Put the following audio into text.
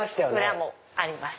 裏もあります。